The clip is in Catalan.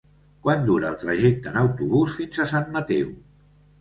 Quant dura el trajecte en autobús fins a Sant Mateu?